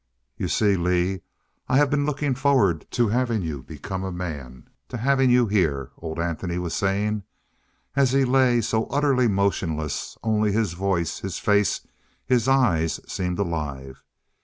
"You see, Lee, I have been looking forward to having you become a man to having you here," old Anthony was saying. As he lay, so utterly motionless, only his voice, his face, his eyes, seemed alive.